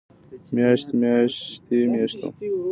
مياشت، مياشتې، مياشتو